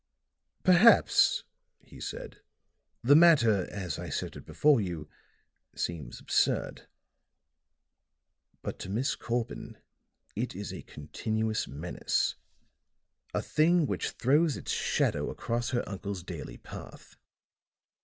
"Perhaps," he said, "the matter, as I set it before you, seems absurd. But to Miss Corbin it is a continuous menace a thing which throws its shadow across her uncle's daily path.